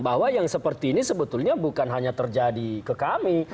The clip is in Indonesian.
bahwa yang seperti ini sebetulnya bukan hanya terjadi ke kami